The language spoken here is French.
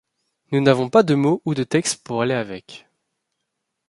Nous n'avons pas de mots ou de textes pour aller avec.